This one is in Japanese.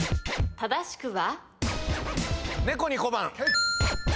正しくは？